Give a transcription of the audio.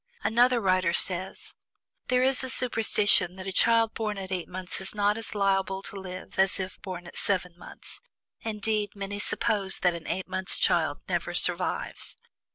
Another writer says: "There is a superstition that a child born at eight months is not as liable to live as if born at seven months; indeed, many suppose that an eight months' child never survives.